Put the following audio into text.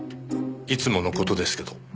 いつもの事ですけど。